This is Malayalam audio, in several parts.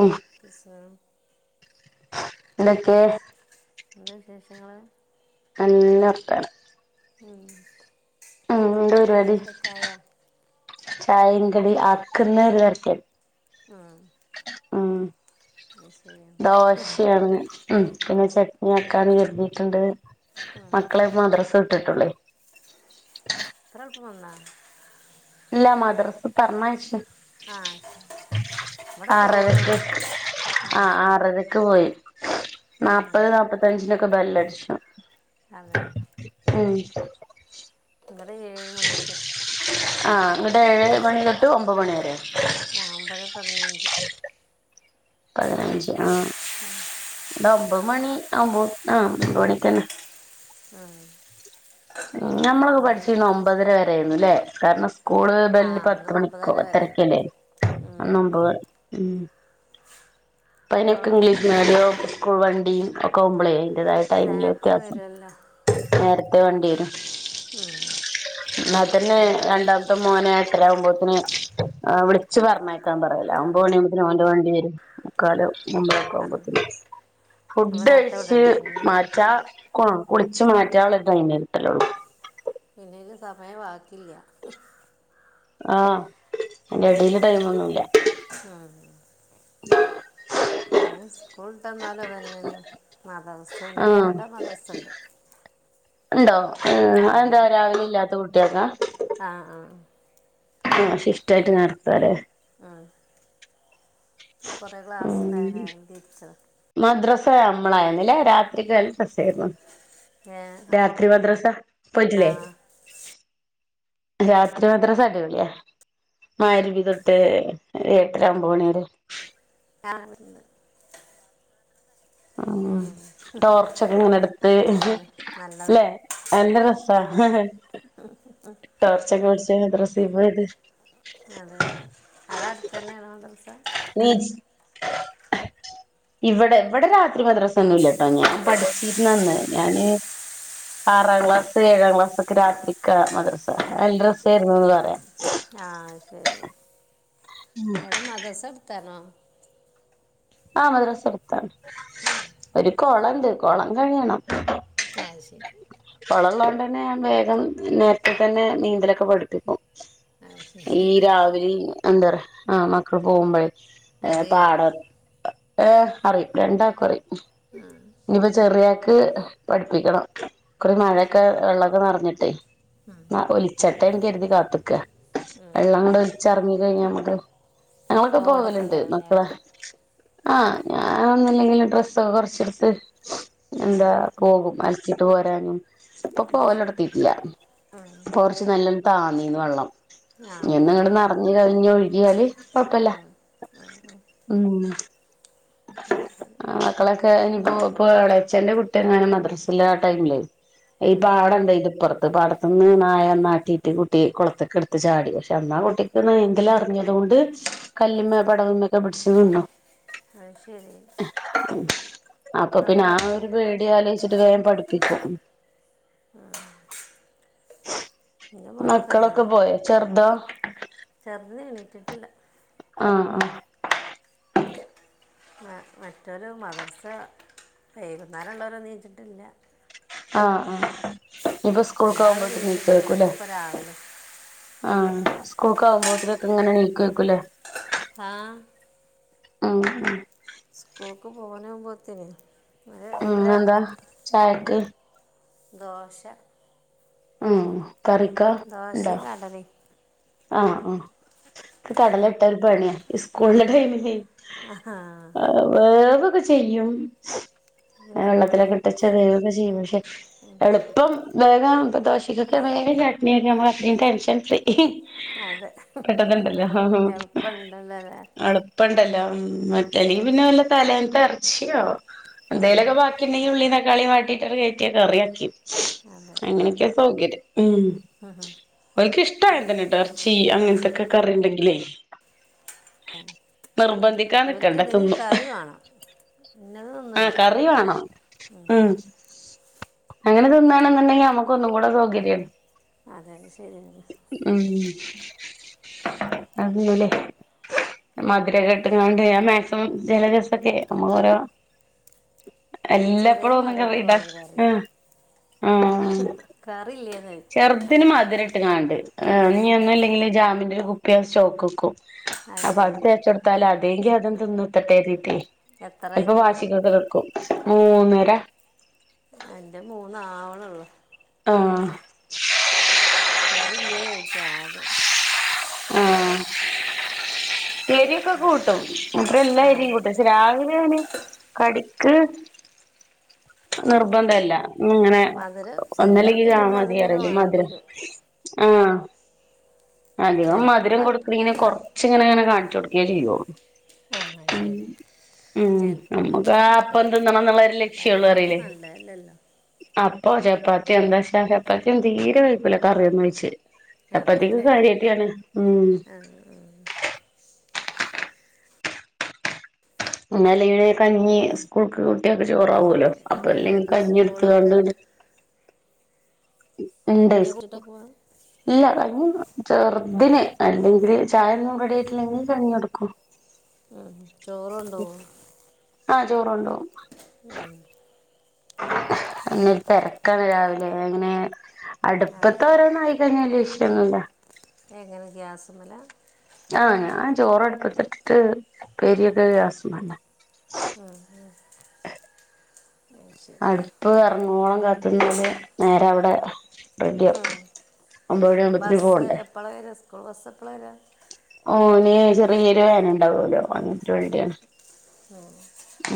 ഓഹ് കിസാം [unintelligible] എന്ത് വിശേഷങ്ങള് നല്ല വർത്താനം. ഉം ഉം എന്ത് പരിപാടി ചായയും കടി ആക്കുന്ന ഒരു തെരക്ക്. ആഹ് ഉം അത് ശരി. ദോശയാണ് പിന്നെ ചട്നി കറി വയ്ക്കാന്ന് കരുതിട്ടുണ്ട്. മക്കളെ ഇപ്പ മദ്രസെ വിട്ടിട്ടുള്ളേ. ഇത്ര എളുപ്പം വന്നാ. ഇല്ല മദ്രസ് പറഞ്ഞയിച്ച്. ആഹ് ആറരക്ക് ആ ആഹ് ശരി ആറരക്ക് പോയി അതെ നാപ്പത് നാപ്പത്തി അഞ്ചിനൊക്കെ ബെല്ലടിച്ചും. അതെ ഉം ഇവിടെ ഏഴ് മണിക്ക്. ആഹ് എന്നിട്ട് ഏഴ് മണി തൊട്ടു ഒമ്പത് മണിവരെ. ആ ഒമ്പതെ പതിനഞ്ച്. [inaudible] പതിനഞ്ച് ആഹ് ഇത് ഒമ്പത് മണി ആവുമ്പോ ആഹ് ഒമ്പതു മണിക്ക് തന്നെ. ആഹ് ആഹ് ഞമ്മളൊക്കെ പഠിച്ചിരുന്ന ഒമ്പതര വരെ ആയിരുന്നു അല്ലെ കാരണം. സ്കൂള് ആ ബെല്ല് അന്ന് പത്ത് മണിക്കോ ഒമ്പതര വരെയായിരുന്നു പത്തരക്കല്ലേ അന്ന് ഒൻമ്പ് ഉ. ഇപ്പ ഇപ്പോൾ അതിനൊക്കെ ഇംഗ്ലീഷ് മീഡിയോ സ്കൂൾ വണ്ടിയും ഒക്കെ ആകുമ്പോളേ അതിന്റേതായ ടൈമില് നേരത്തെ വ്യത്യാസം. വരുമല്ലോ നേരത്തെ വണ്ടി വരും ന്നതന്നെ എടാ രണ്ട ഇപ്പം മോനെ എട്ടരയാവുമ്പോത്തിന് വിളിച്ചു പറഞ്ഞയക്കാൻ പറയലാ ഒൻമ്പത് മണി ആകുമ്പോയെക്കും ഓന്റെ വണ്ടി വരും. ക്കാലം ഒമ്പതര ഒക്കെ അപ്പോൾ ആകുമ്പോത്തിന് ഫുഡ് നേരത്തെ കഴിച്ച് വിടേണ്ടിയിരുന്നേ മാറ്റി. കുളിച്ചാ കുളിച്ച് മാറ്റാൻ ഉള്ളടൈം കിട്ടലൊള്ളൂ. പിന്നേ ഇതു സമയം ബാക്കില്ല. ആഹ് അയിന്റെ എടേല് പിന്നേ ടൈമൊന്നുല്ല ആഹ് പിന്നേ സ്കൂള് വിട്ട് വന്നാലും അതു തന്നെയാ മദ്രസെയാണ് ആഹ് ഇവിട മദ്രസ ഉണ്ട്. ഉണ്ടോ എഹ് ആ അതെന്താ രാവിലെ ഇല്ലാത്ത കുട്ടികൾക്കാ. ആഹ് ആഹ്. ആഹ് ഷിഫ്റ്റ് ആയിട്ട് നടത്താല്ലേ. ആഹ് കുറെ ക്ലാസ്സ് ഉം ഉണ്ടായിരുന്നു. [unintelligible] മദ്രസ നമ്മളായിരുന്നില്ലെ രാത്രിക്ക് [unintelligible] ഏ രാത്രി മദ്രസ ആ പോയിട്ടില്ലേ. രാത്രി മദ്രസ അടിപൊളിയ മഗ്‌രിബ് തൊട്ട് ഏട്ടര ഒൻപതു മണി വരെ. [unintelligible] ഉം ടോർച്ചൊക്കെ ഇങ്ങനെ എടുത്ത് പിന്നെയാണ് നല്ലതാണ് അല്ലെ എന്റെ അതെ [unintelligible] [unintelligible] ടോർച്ചൊക്കെ പിടിച്ച് മദ്രസയിൽ പോയത് അതെ അതെ അവിടെ അടുത്തന്നെയാണോ മദ്രസ നീച്ച് ഇവിടെ ഇവിടെ രാത്രി മദ്രസ ഒന്നുംല്ലട്ടോ ഞാൻ പഠിച്ചിരുന്ന അന്ന് ഞാന് ആറാം ക്ലാസ് ഏഴാം ക്ലാസ് ഒക്കെ രാത്രിക്ക മദ്രസ നല്ല രസായിരുന്നുന്ന് പറയാ ആഹ ശരി അവിടെ മദ്റസ അടുത്തണോ ആഹ് മദ്രസ അടുത്താണ് ഉം ഒരു കുളംണ്ട് കുളം കഴിയണം ആഹ ശരി കുളം ഉള്ളതോണ്ട് തന്നെ ഞാൻ വേഗം നേരത്തെ തന്നെ നീന്തലൊക്കെ പഠിപ്പിക്കും ആ ഈ ശരി ഒക്കെ രാവിലെ എന്താപറയാ ആ മക്കൾ പോകുമ്പോയെ അറിയോ പാടം ഏഹ് അറിയും രണ്ടാക്കും അറിയും ആഹ ഇനിപ്പ ചെറിയാക്ക് പഠിപ്പിക്കണം. ഇക്കുറി അത് മഴയൊക്കെ ശരി വെള്ളൊക്കെ നിറഞ്ഞിട്ടേ ഒലിച്ചട്ടെ ന്ന് കരുതി കാത്ത്ക്ക വെള്ളം അങ്ങട്ട് ഒലിച്ചറങ്ങി കഴിഞ്ഞ നമക്ക് ഞങ്ങളൊക്കെ തോടൊക്കെ പോവലുണ്ട് ഉണ്ടാവില്ലേ മക്കള ആഹ് ഞൻ ഒന്നുല്ലെങ്കിലും ഡ്രസ്സൊക്കെ കൊറച്ചെടുത്ത് എന്താ പോകും അലക്കിട്ട് പോരാനും ഇപ്പൊ അത് ശരി പോവലൊട്ത്തിട്ടില്ല കൊ ച്ച് നല്ലോണം താന്നീന്ന് വെള്ളം, ആ ഇഞൊന്ന്ങ്ങട് നിറഞ് കവിഞ്ഞ് ഒഴുകിയാല് കൊഴപ്പല്ല ഉം [unintelligible] ആ മക്കളൊക്കെ ഇനിപ്പോ എളച്ഛന്റെ കുട്ടി ഇങ്ങനും മദ്റസിലെ ആ ടൈമില് ഈ പാടണ്ട് അതിന്റെ ഇപ്പറത്ത് പാടത്ത്ന്ന് നായവന്ന് ആട്ടിയിട്ട് കുട്ടി കുളത്ത്ക്ക് എടുത്ത് ചാടി പക്ഷെ അന്നാ കുട്ടി നീന്തൽ അറിഞ്ഞതുകൊണ്ട് കല്ല്മ്മെ പടവ്മ്മെ ഒക്കെ പിടിച്ച് നിന്നു. അഹ് ശരി അപ്പൊ ഇതൊന്നും പിന്നെ ആ ഒരു പറ്റിയില്ലല്ലോ പേടി ആലോചിച്ചിട്ട് വേഗം പഠിപ്പിക്കും ആഹ് മക്കളൊക്കെ പോയോ ചെറുതോ ചെറുത് എണീറ്റിട്ടില്ല ആഹ് ആഹ് മറ്റൊല് മദർസ വൈകുന്നേരം ഉള്ളവരോന്നും നീച്ചിട്ടില്ല ആഹ് ആഹ് ഇനിപ്പ സ്കൂൾക്ക് ഒരാൾ ആകുമ്പോത്തിന് നീച്ചിട്ട് നീകുഏകുലേ നോക്കിപ്പോൾ രാവിലെ ആഹ സ്കൂൾക്കാകുമ്പോത്തിനൊക്കെ ഇങ്ങനെ ണീകേക്കൂലേ ആഹ ആ അ സ്കൂൾക്ക് പോകാനാവുമ്പോത്തിന് ഉം ഇന്നെന്താ ചായക്ക് ദോശ ഉം കറിക്കോ ഉണ്ടോ കടല ആഹ ആ കടല ഇട്ട ഒരു പണിയാ ഈ സ്കൂളില്ല ടൈമിലേ ആഹാ വേവൊക്കെ ചെയ്യും പിന്നെന്ത് വെള്ളത്തിലൊക്കെ ഇട്ടച്ച വേവൊക്കെ ചെയ്യും പക്ഷെ എളുപ്പം വേഗം പ്പ ദോശക്കൊക്കെ വേഗം ചട്ടനിയൊക്കെ നമ്മള് ടെൻഷൻ ഫ്രീ അതെ പെട്ടെന്ന് ഇണ്ടല്ലോ ആ എളുപ്പമുണ്ടല്ലോ അല്ലേ അട ഇനി ഇപ്പ ഉണ്ടല്ലോ മറ്റല്ല പിന്നെ വല്ല തലേനത്തെ ഇറച്ചിയോ എന്തേലുമൊക്കൊബാക്കി ണ്ടെങ്കിൽ ഉള്ളി തക്കാളി വാട്ടിയിട്ട് കയറ്റിയ കറിയാക്കി അങ്ങനെയൊക്കെയാ സൗകര്യം ഉം അഹ് ഹ ഓൽക്കിഷ് ട്ടായി തന്നെ എറച്ചി അങ്ങൻത്തൊക്കെ കറിണ്ടെങ്കിലേ നിർബന്ധി ക്കാൻ നിക്കണ്ട തിന്നും ഇത് വാണം ഇന്നത് ആ കറി വാണം ഉം അങ്ങനെ തിന്നാണെന്ന്ണ്ടെങ്കിൽ നമുക്ക് ഒന്നും കൂടെ സൗകര്യ [unintelligible] അതെ [unintelligible] ശരിയന്നേണ് അതെന്നല്ലേ മധുരൊക്കെ ഇട്ട്ങ്ങാണ്ട് ഞാൻ മാക്സിമം ചെലേ ദിവസൊക്കെ ഓരോ എന്റെ ചെറിയ എല്ലാപ്പഴും ഒന്നും കറി മകൾക്ക് ഇണ്ടാക്ക വാണം കറി ആ കറില്ലേന്ന് ചെറ്തിന് മധുര ഇട്ട് കാണ്ട് ഇനീ ഒന്നും ഇല്ലെങ്കിൽ ജാമിന്റെ ഒരു കുപ്പിയ [unintelligible] സ്റ്റോക്ക് വെക്കും അപ്പൊ അത് തേച്ചൊട്ത്താല് അതേങ്കി അതും തിന്നുട്ടട്ടേ ര്തീറ്റയ് എത്ര ചെൽപ്പോ അയക്കണ് വാശിക്കൊക്കെ നിക്കും മൂന്നര എന്റെ മൂന്ന് ആവണൊള്ളു ആഹ് കറി ഇല്ലേന്ന് ചോദിച്ചാദ്യം ആ എരിയൊക്കെ കൂട്ടും ഇപ്പ എല്ലാ ആ എരിയും കൂട്ടും രാവിലെ ഓന് കടിക്ക് നിർബന്ധല്ല ഇങ്ങനെ മധുരം ഒന്നല്ലങ്കിൽ ശീലാക്കിയ പിന്നെ അതിങ്ങനെ ജാമതിയറല്ലേ വേണ്ടി മധുരം വരും ആ അധികം ചിലപ്പോൾ മധുരം പഞ്ച കൊട്ക്ക്ണീന കൊറ- ച്ചിങ്ങനെ അങ്ങനെ കാണിച്ച് കൊടുക്കേ ചെയ്യോ ആ ഉം ശരി ഉം ചിലപ്പോൾ നമുക്ക് പഞ്ചാര ആ ഇട്ട് അപ്പം തിന്നണം കൊടുക്കും ന്നുള്ള ഒരു ലക്ഷ്യം പഞ്ചാര ഇപ്പം അറിയില്ലേ നല്ലതല്ലല്ലോ അപ്പൊ ചപ്പാത്തിയ എന്താ വെച്ചാ ചപ്പാത്തിയൊന്നും തീരെ കഴിക്കില്ല കറിയൊന്ന് ഒഴിച്ച് ചപ്പാത്തിക്ക് കറിക്കെയാണ് ഉം ആഹ് ഒന്നല്ലെങ്കി പിന്നെ കഞ്ഞി സ്കൂൾക്ക് കൊടു- കുട്ട്യാൾക്ക് ചോറാവല്ലോ അങ്ങനെയൊക്കെ അപ്പൊ അല്ലെങ്കി എന്നിട്ടെന്താ സ്കൂളൊക്കെ കഞ്ഞിട്ത്ത്ങ്ങാണ്ട് ഇണ്ട് ഇഞ്ഞെ സ് കൂട്ടിട്ട് പോവാം ഇല്ല കഞ്ഞി ചെർതിന് അല്ലെങ്കിൽ ചായൊന്നും റെഡിയായിട്ടില്ലെങ്കിൽ കഞ്ഞി കൊടുക്കും ഉം ചോറ് കൊണ്ടോവോ? ആഹ് ചോറ് കൊണ്ടോവും എഹ് [unintelligible] തെരക്കാണ് രാവിലെ എങ്ങനെ ആ അടുപ്പത്ത് ശരി ഒരോന്ന് ആയി കഴിഞ്ഞാല് ബിസി ഒന്നുല്ല എങ്ങനെ ഗ്യാസുമ്മലാ ആഹ് ഞാൻ ചോറ് അട്പ്പത്തിട്ടിട്ട് ഉപ്പേരിയൊക്കെ ഗ്യാസുമ്മെന്നെ [unintelligible] ശരി അടുപ്പ് അറങ്ങോളം കത്തുന്നല് നേരെ അവിടെ റെഡിയ ബസ്സ് എപ്പളാ വരാ സ്കൂൾ ബസ്സ് എപ്പളാ വരാ [unintelligible] ചെറിയ ഒരു വേന ഉണ്ടാവുല്ലോ അങ്ങൻത്തെ വണ്ടിയാ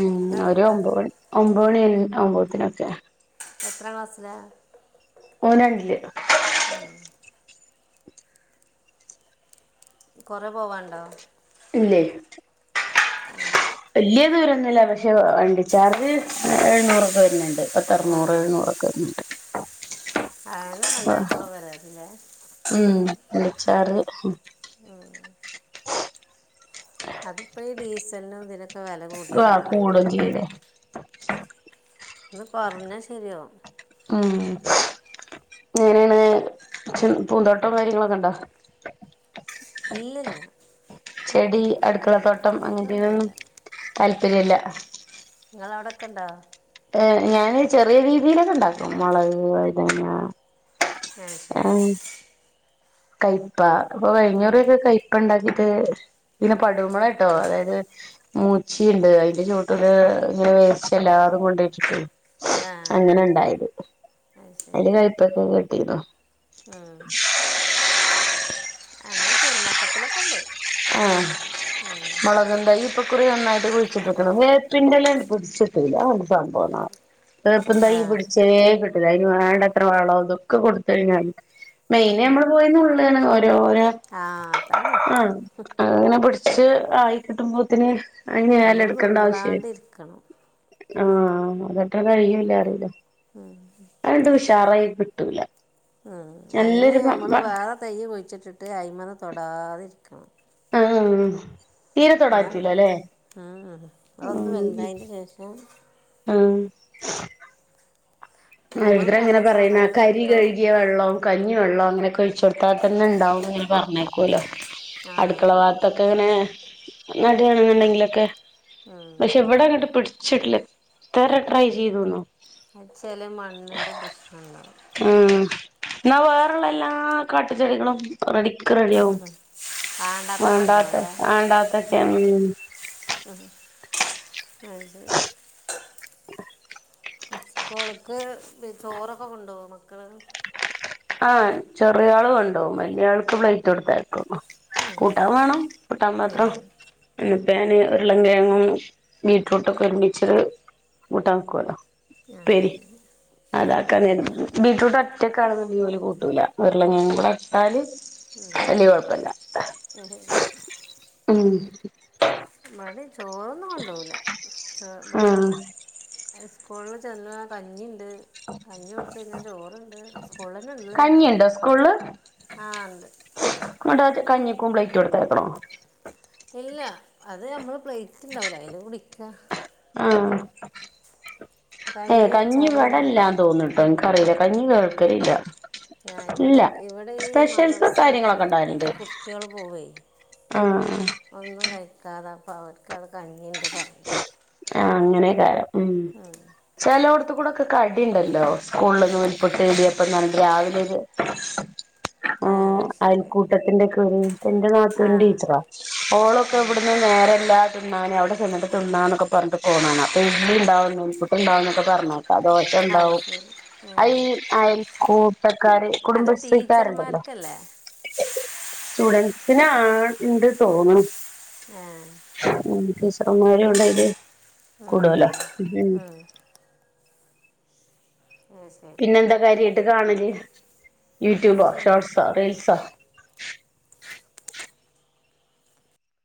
ഉം ഒരു അതടുത്താ ഒമ്പത് മണി ഒമ്പത് മണി ആകുമ്പത്തിനൊക്കെ എത്രാ ക്ലാസ്സിലാ ഓൻ രണ്ടില് ആഹ് കൊറെ പോവാണ്ടോ ഇല്ലേ ആഹ് വല്യ ദൂരോന്നുല്ല പക്ഷേ വണ്ടി ചാർജ് എഴുന്നൂറൊക്കെ വരുന്നുണ്ട് പത്ത് അറുന്നൂറ് എഴുന്നൂറൊക്കെ വരുന്നുണ്ട് അങ്ങനെ എല്ലാർക്കൊന്നും പരാതി ഇല്ല ഉം വിളിച്ചാറ് അതിപ്പോം ഈ ഡീസലിനും ഇതിനൊക്കെ വില ആ കൂടും കൂടിയല്ലാതായിരിക്കും ചെയ്യലേ ഒന്ന് കൊറഞ്ഞ ശെരിയാവും ഉം എങ്ങനെയാണ് പക്ഷേ പൂന്തോട്ടം കാര്യങ്ങളൊക്കെ ഉണ്ടോ ഇല്ല ഇല്ല ചെടി, അടുക്കള തോട്ടം അങ്ങനത്തെ ഒന്നുമില്ല അങ്ങനത്തെനൊന്നും താല്പര്യല്ല ഇങ്ങളെ അവിടെ ഒക്കെണ്ടോ ഏഹ് ഞാന് ചെറിയ രീതിയിലൊക്കെ ഉണ്ടാക്കും മൊളക്, വഴുതനങ്ങ അഹ് ശരി കയ്പാ ഇപ്പൊ കഴിഞ്ഞ കുറി ഉം. ഒക്കെ കയ് പ്പ ഇണ്ടാക്കിട്ട് പിന്നെ പടൂ മൊള കേട്ടോ അതായത് മൂച്ചിയുണ്ട് അതിന്റെ ചുവട്ടിൽ ഇങ്ങെനെ വേസ്റ്റ് എല്ലാതും കൊണ്ടോയിട്ടിട്ടെ ആ അങ്ങനെ ഇണ്ടായത് അത് അതില് കയ്പ്പക്ക കിട്ടീന്നു ആഹ് അങ്ങനെ ചെറുമട്ടത്തിലൊക്കെണ്ട് ആഹ് മൊളകും തൈ ഇപ്പക്കുറി നന്നായിട്ട് കുഴിച്ചിട്ട്ക്ക്ണ് വേപ്പിന്റെല അണ് പിടിച്ചിട്ടൂല്ല അതെന്താ സംഭവന്ന് ആവോ വേപ്പിൻതൈ ആ പിടിച്ചേ കിട്ടില്ല അതിന് വേണ്ടത്ര വളം ഇതൊക്കെ കൊടുത്ത് കഴിഞ്ഞാലും മെയിന് നമ്മള് പോയി നുള്ളാണ് ഓരോരോ ആ അതാണ് ആഹ് അങ്ങനെ പിടിച്ച് ആയി കിട്ടുമ്പോത്തിന് അങ്ങനെ എല നമ്മൾ എടുക്കേണ്ട ആവശ്യല്ല നുള്ളാണ്ടിരിക്കണം ആഹ് അതൊട്ട് കഴിയൂല്ല അറീല്ലേ ആഹ് അഹ് ഇണ്ട് ഉഷാറായി കിട്ടൂല ഉം അയ്ന് നല്ലൊരു മ നമ്മള് മ വേറെ തൈ കുഴിച്ചിട്ടിട്ട് അയിമന്ന് തൊടാതിരിക്കണം ആഹ് തീരെ തൊടാൻ എന്നാണ്ടാവും പറ്റൂലല്ലേ ആഹ് അഹ് ഒന്ന് ആഹ് വലുതായതിന്റെ ശേഷം ആഹ് ആഹ് നമ്മൾ ഇവര് പല അങ്ങനെ പറയ്ണ കേക്കാം അരി സമയത്തും കഴുകിയ വെള്ളം കഞ്ഞി വെള്ളം അങ്ങനെയൊക്കെ ഒഴിച്ച് കൊടുത്താൽ തന്നെ ഉണ്ടാവും പറഞ്ഞേക്കോല്ലോ ആ അടുക്കള ഭാഗത്തൊക്കെ [unintelligible] ണെന്നുണ്ടെങ്കിലൊക്കെ ഉം. പക്ഷെ ഇവിടെ ങ്ങട്ട് പിടിച്ചിട്ടില്ല എത്ര ട്രൈ ചെയ്തൂന്നോ അഹ് ചെല മണ്ണിന്റെ പ്രശ്നണ്ടാവും ആഹ് എന്നാ വേറെള്ള എല്ലാ കാട്ടു ചെടികളും റെഡിക്ക് റെഡി ആവും വേണ്ടാത്തൊക്കെ വേണ്ടാത്ത ഉണ്ടാവൂലേ വേണ്ടാത്തൊക്കെ ഉം അത് ഇസ്കൂൾക്ക് ചോറൊക്കെ കൊണ്ടോവോ മക്കള് ആഹ് ചെറിയോള് കൊണ്ടോവും വലിയാൾക്ക് പ്ലേറ്റ് കൊടുത്തയക്കും കൂട്ടാൻ വാണം കൂട്ടാൻ മാത്രം ഉം അപ്പം ഞാന് ഉരുളം കിഴങ്ങും ബീറ്റ്റൂട്ടൊക്കെ ഒരുമിച്ചൊരു കൂട്ടാൻ വെക്കോലോ ആ പ്പേരി ശരി ഉം. അതാക്കാനാരുന്നു ബീറ്റ്റൂട്ട് ഒറ്റക്കാണന്ന്ണ്ടങ്കി ഓല് കൂട്ടൂലാ ഉരുളംകേങ്ങ് കൂടെ ഇട്ടാല് വെല്യ കൊഴപ്പ്ല്ല ഉം മടി ചോറൊന്നും കൊണ്ടുപോവൂല്ല ചോ ഇവടെ ആഹ് ഹൈസ്കൂൾല് ചെന്നാ കഞ്ഞി ണ്ട് കഞ്ഞി കുടിച്ചു കഴിഞ്ഞാ ചോറ്ണ്ട് സ്കൂൾലന്നെള്ളല്ലോപ്പം ഇണ്ടോ സ്കൂൾല് ആഹ് ഉണ്ട് [unintelligible] കഞ്ഞിക്കും പ്ലേയ്റ്റൊട്ത്തയ്ക്കണോ ഇല്ല അത് ഞമ്മള് പ്ലേറ്റ്ണ്ടാവൂലെ അയ്ല് കുടിക്കാ ആഹ് ഏഹ് കഞ്ഞി ഇവ്ടില്ലാന്ന് തോന്ന്ട്ടോ ഇൻക്കറില്ല്യ കഞ്ഞി കേൾക്കലില്ല ആഹ് ഇവടെ ഇല്ല ഇവടീ സ്പെഷ്യൽസ് മദ്റസ കാര്യങ്ങളൊക്കെ വിട്ടെക്ക് കുട്ടികള് പോവേ ആഹ് ആഹ് ഒന്നും കഴിക്കാതെ അപ്പൊ അവർക്കവ്ടെ കഞ്ഞിണ്ട് പറയും ആഹ് അങ്ങനേകാരം ഉം ചെലോട്ത്ത്ക്കൂടെ ക്ക് കടീണ്ടല്ലോ സ്കൂൾല് നുൽപുട്ട് ഇടിയപ്പംന്നറ്ഞ്ഞിട്ട് രാവിലെ ഒരു ആ ഉം അത് ശരി അയൽക്കൂട്ടത്തിന്റെക്കൊരു എന്റെ ആ നാത്തുൻ ടീച്ചറാ ഓളൊക്കെ ആ ഇവ്ട്ന്ന് നേരല്ലാ തിന്നാന് അവ്ടെ ചെന്നിട്ട് തിന്നാന്നൊക്കെ പറഞ്ഞിട്ട് പോണെ കാണാം അപ്പം ഇന്ന്ണ്ടാവും നൂൽപുട്ടുണ്ടാവുംന്നൊക്കെ പറഞ്ഞു ആഹ് ആ, അത് ദോശണ്ടാവും ശരി ഉം. അയ് അയൽക്കൂട്ടക്കാര് കുടുംബശ്രീക്കാര്ണ്ടല്ലോ ക്കെല്ലേ സ്റ്റുഡന്റ്സ്ന് ആഹ് ഇണ്ട് തൊന്ന്ണ് ആ ഉം ടീച്ചർമ്മാരും ഒണ്ടല്ലേ കൂടുവല്ലോ ഉം ഉം ആ ശരി പിന്നെന്താ കാര്യായിട്ട് കാണല് എന്നാൽ യൂട്യൂബോ ശരി ഷോർട്സോ കേട്ടോ ഞാൻ റീൽസോ വിളിക്കാം